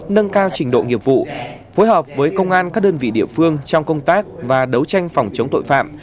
nâng cao trình độ nghiệp vụ phối hợp với công an các đơn vị địa phương trong công tác và đấu tranh phòng chống tội phạm